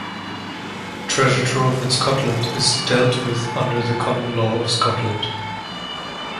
Treasure trove in Scotland is dealt with under the common law of Scotland.